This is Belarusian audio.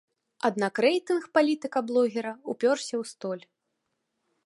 Аднак рэйтынг палітыка-блогера ўпёрся ў столь.